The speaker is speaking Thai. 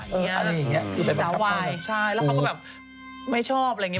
คือเป็นตัวพระอย่างนี้คือสาววายใช่แล้วเขาก็แบบไม่ชอบอะไรอย่างนี้